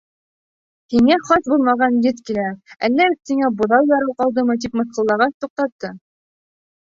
Һиңә хас булмаған еҫ килә, әллә өҫтөңә быҙау ярау ҡылдымы, тип мыҫҡыллағас, туҡтатты.